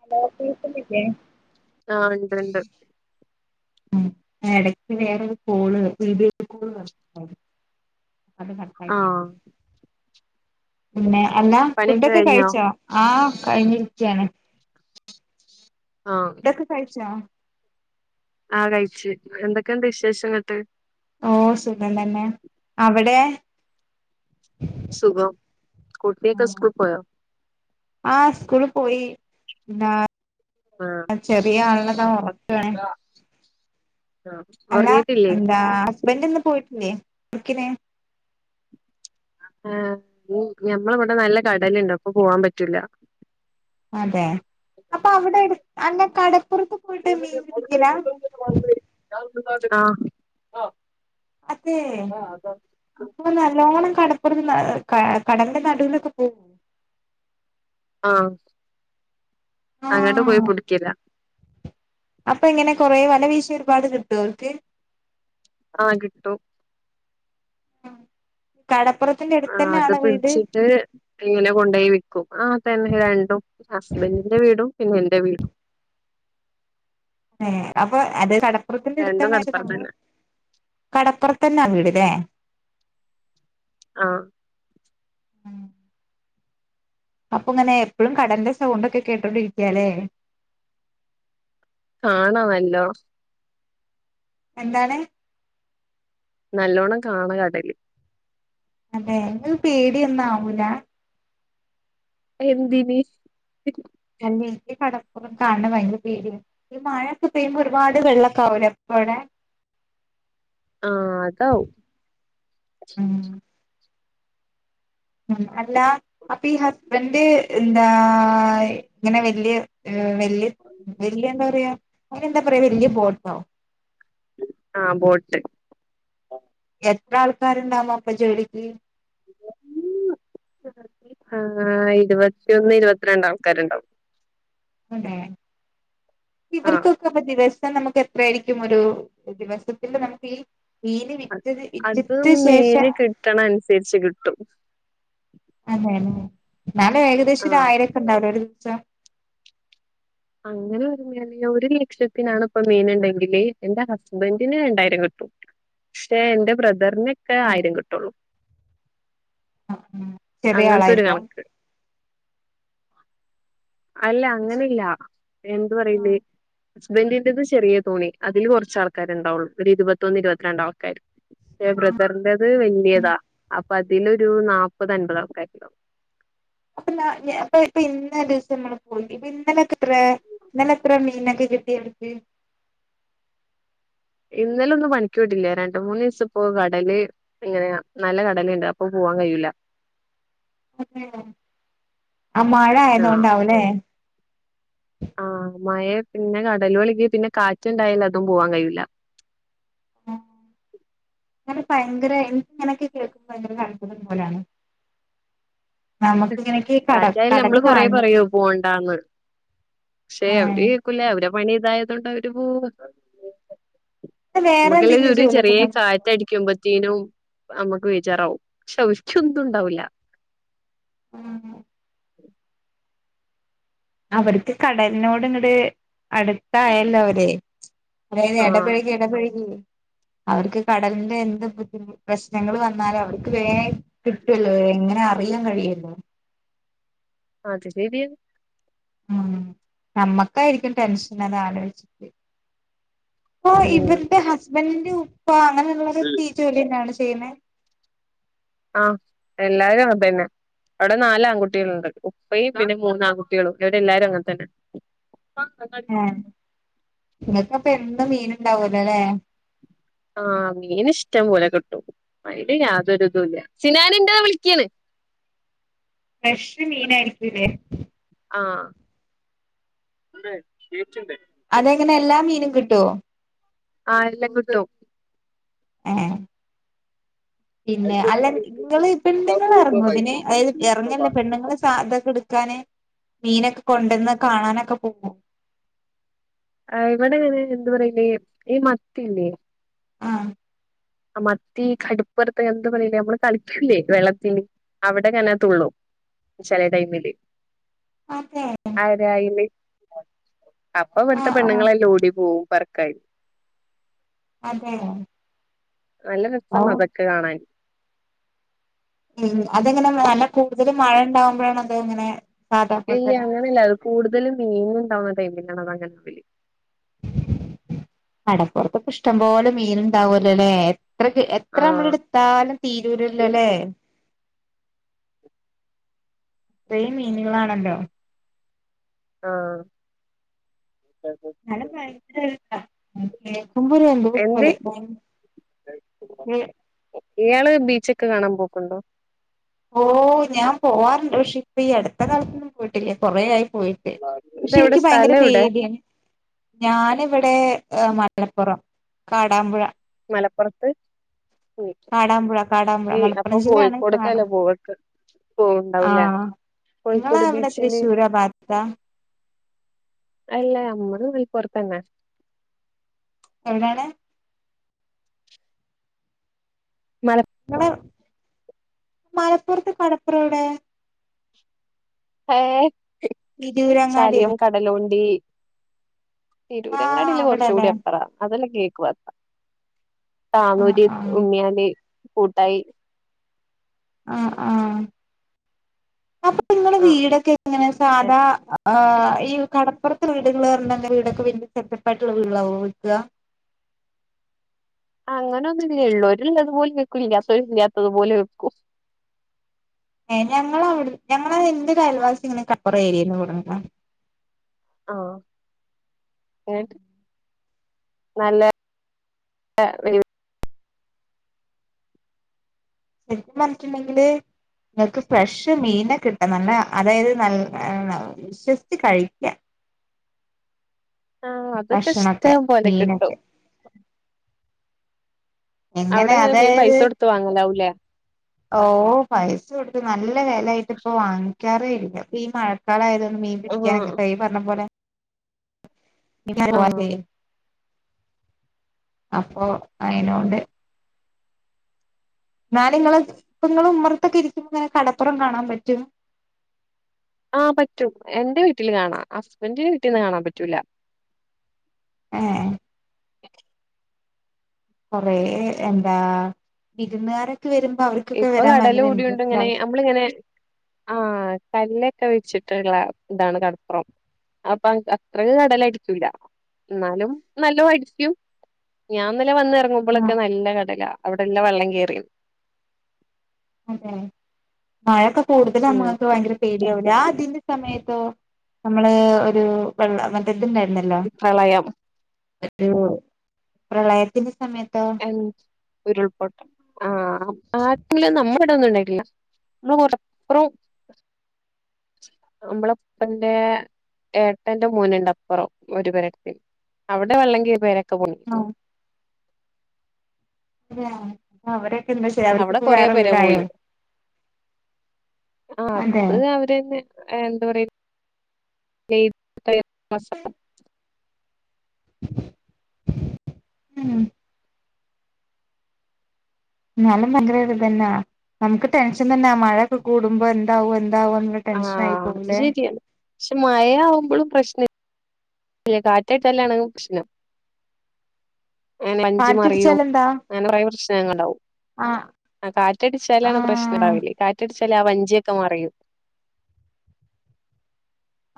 Hello കേക്ക്‌ന്നില്ലേ ആഹ് ഇണ്ട് ണ്ട് എടയ്ക്ക് വേറൊരു കോള് വീഡിയോ കോള് വന്ന് [unintelligible] അത് ആഹ് കട്ടായിപോയി പിന്നെ അല്ലാ പണിയൊക്കെ ഫുഡൊക്കെ കഴിഞ്ഞോ കഴിച്ചോ ആഹ് കഴിഞ്ഞിരിക്ക്യാണ് ആഹ് ടൊക്കെ കഴിച്ചോ ആഹ് കഴിച്ച് എന്തെക്കെണ്ട് വിശേഷങ്ങട്ട് ഓ സുഖം തന്നെ അവടേ സുഖം കുട്ടിയൊക്കെ സ്കൂൾ പ്പോയോ ആഹ് സ്കൂള് പോയി പിന്നാ ആഹ് ചെറിയ ആള്നെതാ ഒറക്കാണ് ആഹ് അല്ല ഉറങ്ങീട്ടില്ലേ എന്താ ബന്റ്ന്ന് പോയിട്ടില്ലേ എിക്കിന? ആഹ് ഞമ്മള ഇവിടെ നല്ല കടലുണ്ട് അപ്പൊ പോവാൻ പറ്റൂല. അതെ അപ്പൊ അവിടെ അങ്ങെ കടപ്പുറത്ത് പോയിട്ട് മീൻ പിടിക്കല? ആ. അതെയ്! അപ്പൊ നല്ലോണ്ണം കടപ്പുറം, കടലിന്റെ നടുവിലൊക്കെ പോകോ? ആഹ് അങ്ങോട്ട് പോയി ആഹ് പിടിക്കല. അപ്പൊ ഇങ്ങനെ കൊറേ വല വീശ ഒരുപാട് കിട്ടും അവർക്ക്! ആഹ് കിട്ടും. കടപ്പുറത്തി ആഹ് അത് പിടിച്ചിട്ട് ഇങ്ങനെ കൊണ്ട പോയി വിൽക്കും, ആ തന്നെ രണ്ടും ഹസ്ബൻറിിന്റെ വീടും പിന്നെ എന്റെ വീടും. അപ്പൊ അത് കടപ്പുറത്തിന്റെ രണ്ടും അടുത്ത്ന്നായിരുന്നു കടപ്പുറത്ത് നമ്മള് തന്നെ കടപ്പുറത്ത് തന്നെയാ വീടല്ലേ. ആഹ്. അപ്പൊ ഇങ്ങനെ എപ്പോഴും കടന്റെ സൗണ്ട് ഒക്കെ കേട്ടൊണ്ടിരിക്കയാലേ! കാണമല്ലോ. എന്താണ്? നല്ലോണ്ണം കാണാം കടല്. അതെ, അങ്ങനെ പേടിയൊന്നും ആവൂല? എന്തിന്! അല്ല എനിക് കടപ്പുറം കാണണ ഭയങ്കര പേടി ആണ്. ഈ മഴൊക്കെ പെയ്യുമ്പോ ഒരുപാട് വെള്ളമൊക്കെ ആവൂലെ അപ്പവിടെ? [inaudible] ആഹ് അത് ആവും. ഉം ഉ അല്ല അപ്പൊ ഈ ഹസ്ബൻഡ് എന്താ ഇങ്ങനെ വലിയ വല്യ വല്യ എന്താ പറയാ, അങ്ങനെ എന്താ പറയാ വലിയ ബോട്ടോ? ആഹ് ബോട്ട്. എത്ര ആൾക്കാരുണ്ടാമോ അപ്പൊ ജോലിക്. ! ആ ഇരുപത്തിയൊന്ന് ഇരുപത്തിരണ്ട് ആൾക്കാരുണ്ടാവും. അതെ ആഹ് ഇവർക്ക് അപ്പ ദിവസം നമുക്ക് എത്രായിരിക്കും ഒരു ദിവസത്തി നമുക്ക് ഈ മീന് വിറ്റത്, വിറ്റ ശേഷാ വിൽക്കണ അനുസരിച്ച് കിട്ടും അതെയല്ലെ എന്നാലും ഏകദേശം ഒരു ആഹ് ആയിരംക്കെ ഉണ്ടാവില്ലോ ഒരു ദിവസം? അങ്ങനെ ഒരു ലക്ഷത്തിനാണ് ഇപ്പൊ മീനണ്ടെങ്കില് എന്റെ ഹസ്ബൻറിന് രണ്ടായിരം കിട്ടും. പക്ഷേ എന്റെ ബ്രദറിന് ഒ ആണ് ആയിരം കിട്ടുള്ളൂ, ചെറിയ അങ്ങനത്തെരു ആളായിട്ടാ കണക്ക. അല്ല അങ്ങനെല്ല, എന്ത് പറയല് ആഹ് ഹസ്ബന്ഡറിന്റെറത് ചെറിയ തോണി അതിൽ കുറച്ച് ആൾക്കാരു ഉണ്ടാവുള്ളു ഒരു ഇരുപത്തൊന്ന് ഇരുപത്തി രണ്ട് ബ്രദറിൻറ്റത് വലിയതാ. അതിലൊരു നാല്പ്പത് അൻപത്ക്കെ ഉണ്ടായിരിക്കൂം. അപ്പൊ അപ്പൊ ഇപ്പൊ ഇന്നലെ ദിവസം നിങ്ങള് പോയി ഇപ്പൊ ഇന്നലെക്കെ എത്ര? ഇന്നലെ എത്ര മീനക്കെ കിട്ടിയവർക്ക്? ഇന്നലൊന്നും പണിക്ക് വിട്ടില്ല, രണ്ട് മൂന്ന് ദിവസ പോ കടൽ പിന്നെ നല്ല കടലയുണ്ട് അപ്പൊ പോവാൻ കഴിയൂല. ആ മഴ ആയത് ആഹ് കൊണ്ടാവൂല്ലേ! ആഹ് മഴ പിന്നെ കടല്കളില് പിന്നെ കാറ്റുണ്ടായൽ അതും പോവാൻ കഴിയില്ല. അങ്ങനെ [unintelligible] ഭയങ്കര എനിക്ക് ഇങ്ങനെയൊക്കെ കേൾക്കുമ്പോ ഭയങ്കര അത്ഭുതം പോലാണ് നമുക്ക് ഇങ്ങനെയൊക്കെ കട കാറ്റയാൽ കടല് നമ്മള് കൊറേ കാണുന്നത് പറയും പോണ്ടാന്ന് പക്ഷെ അവര് നിക്കൂല അവരെ പണി ഇതായതോണ്ട് അവര് പോവും ഏ വേറെ ഇമ്മക്കല്ലേ എന്തെങ്കിലും ഒരു ജോലിയൊക്കെ ചെറിയ നോക്കുന്നുണ്ടോ? കാറ്റടിക്കുമ്പത്തേനും അമ്മക്ക് വേചാറാവും ഔര്ക്ക് ഒന്നും ഇണ്ടാവൂല്ല ഉം അവർക്ക് കടലിനോട് ഇങ്ങട് അടുത്തായല്ലോ അവര് അതയായത് ആഹ് എടപെഴകി എടപെഴകി അവർക്ക് കടലിന്റെ എന്ത് ബുദ്ധി പ്രശ്നങ്ങൾ വന്നാലും അവർക്ക് വേ കിട്ടൊല്ലോ എങ്ങനെ അറിയാൻ കഴിയൊല്ലോ അത് ശരിയാ ഉം നമ്മക്കായിരിക്കും ടെൻഷൻ അത് ആലോയിച്ചിട്ട് അപ്പൊ ഉം ഇവരുടെ ഹസ്ബൻഡിന്റെ ഉപ്പ അങ്ങനെയുള്ളതൊക്കെ ഈ ജോലി തന്നെയാണോ ചെയ്യുന്നെ ആഹ് എല്ലാരും അങ്ങ്നതന്നെ അവിടെ നാല് ആൺകുട്ട്യാള്ണ്ട് ഉപ്പയും പിന്നെ മൂന്ന് ആൺകുട്ട്യാളും ഇവിടെ എല്ലാരും അങ്ങനെ തന്നെ എഹ് ഇങ്ങക്ക് അപ്പം എന്നും മീൻ ഇണ്ടാവലോ ല്ലേ ആഹ് മീന് ഇഷ്ടം പോലെ കിട്ടും അയിന് യാതൊരുതില്ല സിനാന് ഇണ്ട് വിളിക്ക്ണ് ഫ്രഷ് മീന് ആയിരിക്കുലെ ആഹ് അതെങ്ങനെ എല്ലാ മീനും കിട്ടോ ആഹ് എല്ലാം കിട്ടും ഏഹ് പിന്നെ അല്ല ഇങ്ങള് പെണ്ണുങ്ങൾ എറങ്ങോ ഇതിന് അത് എറങ്ങല്ല പെണ്ണുങ്ങള് സാധക്കെ ഇടുക്കാന് മീനൊക്കെ കൊണ്ടന്ന് കാണാനൊക്കെ പോക്കോ ആഹ് ഇവിടെ ഇങ്ങനെ എന്ത് പറയില്ലേ ഈ മത്തില്ലേ ആഹ് ആഹ് മത്തി കട്പ്പറത്ത് എന്ത് പറയിലേ നമ്മള് കളിക്കൂലേ വെള്ളത്തില് അവിടെങ്ങനെ തുള്ളും ചെല ടൈമില് അതെ ആരായില് അപ്പൊ ഇവിട്ത്തെ ആഹ് ആഹ് പെണ്ണുങ്ങളെല്ലോം ഓടി പോവും പെറ്ക്കാൻ അതെ നല്ല ഓ രസാണ് അതൊക്കെ കാണാൻ ഉം അതെങ്ങനെ നല്ല കൂടുതല് മഴ ഉണ്ടാവുമ്പോഴാണ് അത് അങ്ങനെ. ഇല്ല്യ അങ്ങനെയല്ല അത് കൂടുതലും മീനുണ്ടാകുന്ന ടൈമില കടപ്പുറത്ത് ഇപ്പൊ ഇഷ്ടംപോലെ മീൻ ഇണ്ടാവലോല്ലേ? എത്രക്ക് എത്ര നമ്മള് ആഹ് എടുത്താലും തീരൂല്ലല്ലോല്ലേ. ഇത്രയും മീനുകളാണല്ലേ. ആ [unintelligible] കേക്കുമ്പള് എന്ത് എന്തോപോലെ. ഭയ വേ ഇയാള് ബീച്ചൊക്കെ കാണാൻ പോക്കണ്ടോ ഓ ഞാൻ പോവാറുണ്ട്. പക്ഷെ ഇപ്പ ഈ അടുത്ത കാലത്തൊന്നും പോയിട്ടില്ല കൊറെ ആയി. പോയിട്ട്. പക്ഷെ ഇതെവിടെ എനിക്ക് ഭയങ്കര സ്ഥലം എവിടെ പേടിയാണ്. ഞാനിവിടെ മലപ്പുറം കാടാമ്പുഴ. മലപ്പുറത്ത് ഉം. കാടാമ്പുഴ കാടാമ്പുഴ ഈ അപ്പൊ മലപ്പുറം ജില്ലയാണ് കാണ കോഴിക്കോടക്കല്ലേ ബോട്ട് പോയിണ്ടാവൂലേ ആഹ് നിങ്ങളെ കോഴിക്കോട് എവിടെ ബീച്ചില്. തൃശ്ശൂരോ ഭാഗത്താ അല്ലാ ഞമ്മള് [unintelligible] എന്താണ്? മല ഇവ്ടെ മലപ്പുറത്ത് കടപ്പുറം എവിടെ? ഏ തിരൂരങ്ങാടിയോ? കടലോണ്ടി ആഹ് തിരൂരങ്ങാടിൽ കുറച്ച കൂടി അവിടെല്ലേ അപ്പറ അതെല്ലാം കേക്കു ആഹ് ആഹ് [unintelligible] [unintelligible] കൂട്ടായി ആഹ് ആ അപ്പൊ നിങ്ങട ആഹ് വീടൊക്കെ അങ്ങനെ ഏ സാധാ ആഹ് ഈ കടപ്പുറത്ത് വീടുകള് പറണണ്ടേങ്കിൽ വീടൊക്കെ വല്യ സെറ്റപ്പായിട്ടുള്ള വീടുകളാവോ വക്കുക. അങ്ങനൊന്നുല്ല ഇള്ളോര് ഇല്ലത് പോലെ നിക്കും ഇല്ലാത്തോര് ഇല്ലാത്തത് പോലെ വെക്കും. എ ഞങ്ങളവ്ട് ഞങ്ങളെ ഇൻ്റെരയൽവാസിങ്ങനെ ക കൊറേയി. [unintelligible] ആഹ് ഏണ്ട്. നല്ല [unintelligible] ശര്ക്കും പർഞ്ഞ്ട്ട് ണ്ടങ്കില്. ങ്ങക്ക് ഫ്രഷ് മീൻനെ കിട്ടും നല്ല അതായത് നൽ ആ. [unintelligible] വിശ്വസ്ച്ച് കഴിക്ക്യ. ആഹ് അതൊക്കെ ഭക്ഷണൊക്കെ ഇഷ്ടം പോലെ കിട്ടും. മീനൊക്കെ എങ്ങനെ അവ്ടെങ്ങനെ മീൻ പൈസൊട്ത്ത് വാങ്ങലാവുലേ. ഓഹ് പൈസ കൊട്ത്ത് നല്ല വെലെയിട്ട് പ്പം വാങ്ങിക്ക്യാറേ ഇല്ല പ്പ ഈ മഴ ക്കളായതോണ്ട് മീൻ ആ പിടിക്ക്യാനൊക്കപ്പ ഈ പർഞ്ഞ പോലെ. ആ [unintelligible] അപ്പൊ അയ്നോണ്ട്. ന്നാല്ങ്ങള് പ്പങ്ങള് ഉമ്മറത്തൊക്കെ ഇരിക്കുമ്പങ്ങനെ കടപ്പുറം കാണാ പറ്റും. ആ പറ്റും എന്റെ വീട്ടില് കാണാം ഹസ്ബൻഡന്റെ വീട്ടിന്ന് കാണാ പറ്റൂലാ. ഏഹ് കൊറേ എന്താ വിരുന്നുകാരൊക്കെ വരുമ്പോ അവർ ഇപ്പൊ കടല് കൂടിയോണ്ട് ങ്ങനെ നമ്മളിങ്ങനെ ആഹ് കല്ലൊക്കെവെച്ചിട്ടുള്ള ഇതാണ് കടപ്പൊറം അപ്പ അത്രക്ക് കടലടികൂല ന്നാലും നല്ലോ അടിക്കും ഞാന്നലെ ആഹ് വന്നിറങ്ങുമ്പോളോക്കെ നല്ല കടലാ അവിടെ എല്ലാം വെള്ളം കേറി അതെ മഴയൊക്കെ കൂടുതമ്പം ഉം ങ്ങക്ക് ഭയങ്കര പേടിയാവൂലെ ത്തിന്റെ സമയത്തോ നമ്മള് ഒരു വെള്ള മറ്റ ഇത്ണ്ടായിരുന്നല്ലോ പ്രളയം [unintelligible] പ്രളയത്തിന്റെ സമയ [unintelligible] ഉരുൾപൊട്ട് ആ ഇല്ല നമ്മടെ ഇടെ ഒന്നും ഇണ്ടായിട്ടില്ല നമ്മള് മലപ്പ്റം നമ്മളെ ഇപ്പന്റെ ഏട്ടന്റെ മോന്ണ്ട് അപ്പറം ഒരു പെരക്ക്‌ അവിടെ വെള്ളം കേറി പെരൊക്കെ പൊങ്ങി ആഹ് അവരൊക്കെ എന്താ ചെയ്യാ അവിടെ അവർക്കിപ്പൊ കൊറേ വേറെ പേര പോയി വീടായോ ആഹ് അതെ അത് അവര്ന്നെ എന്താ പറയ [unintelligible] ഉം എന്നാലും ഭയങ്കര ഒരുരിതെന്നാ നമുക്ക് ടെൻഷൻ തന്നെ മഴ ഒക്കെ കൂടുമ്പോ എന്താവും എന്താവുംന്നുള്ള ടെൻഷൻ ആയി ആഹ് അത് പോവുലേ ശരിയാണ് പക്ഷെ മഴ ആവുമ്പളും പ്രശ്ന ഇല്ല കാറ്റേറ്റാലാണ് പ്രശ്നം അങ്ങനെ വഞ്ചിമറിയും കാറ്റടിച്ചാൽ അങ്ങനെ കൊറേ പ്രശ്നങ്ങൾ ഇണ്ടാവും ആഹ ആഹ് കാറ്റടിച്ചാലാണ് പ്രശ്നം ഇണ്ടാവല് കാറ്റടിച്ചാല് ആ വഞ്ചിയൊക്കെ മറിയും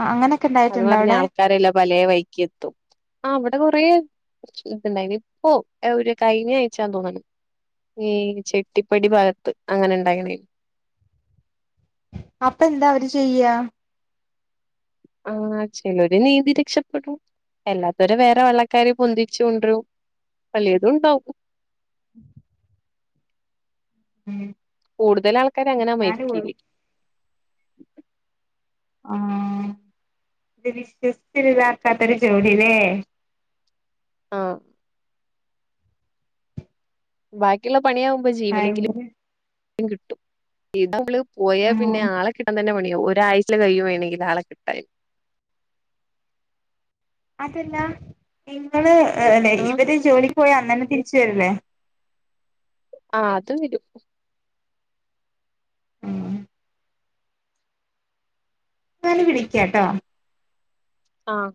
ആഹ് അങ്ങനൊക്കെ അത് ഇണ്ടായിട്ട്ണ്ടോ മറിഞ്ഞ് അവിടെ ആൾക്കാരെല്ലാം പലേ വൈക്കി എത്തും ആഹ് ഇവിടെ കൊറേ ഷിപ്പ് ഇണ്ടായിന് ഇപ്പോ ഒരു കഴിഞ്ഞ ആയ്ച്ച തോന്ന്ണ് ഈ ചെട്ടിപ്പടി ഭാഗത്ത് അങ്ങനെ ഇണ്ടായിണ് അപ്പ എന്താ അവര് ചെയ്യ. ആഹ് ചലര് നീന്തി രക്ഷപ്പെടും. എല്ലാത്തവര വേറെ വള്ളക്കാരി പൊന്തിച്ച കൊണ്ടരും വലിയതുംണ്ടാവും. ഉം ഉം കൂടുതൽ ആൾക്കാര അങ്ങനെ എന്നാലും മരിക്കല്. ആഹ് ഇത് വിശ്വസിച്ച ഇതാക്കാത്തൊരു ജോലില്ലേ. ആഹ് ബാക്കിയുള്ള പണിയാകുമ്പോ ഭയങ്കര ജീവനെങ്കിലും കിട്ടും. ഇത് നമ്മള് ആ പോയാൽ പിന്നെ ആളെ കിട്ടാൻ തന്നെ പണിയോ ഒരാഴ്ചൽ കഴിയ വേണമെങ്കിൽ ആളെ കിട്ടാൻ. അതല്ല നിങ്ങള്ല്ലെ ആഹ് ഇവര് ജോലിക്ക് പോയാൽ അന്നന്നെ തിരിച്ച് വരില്ലേ. ആഹ് അത് വരും ഉം ഞൻ വിളിക്കാട്ടോ ആഹ്